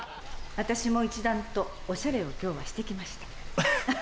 私も一段とおしゃれを今日はしてきました。